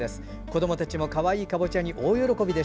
子どもたちもかわいいかぼちゃに大喜び。